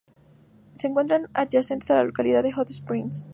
Se encuentra adyacente a la localidad de Hot Springs.